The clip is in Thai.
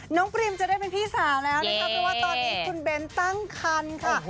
ปริมจะได้เป็นพี่สาวแล้วนะคะเพราะว่าตอนนี้คุณเบ้นตั้งคันค่ะ